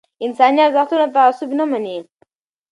انساني ارزښتونه تعصب نه مني